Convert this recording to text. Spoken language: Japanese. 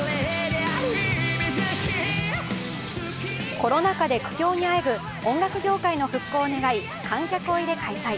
コロナ禍で苦境にあえぐ音楽業界の復興を願い、観客を入れ開催。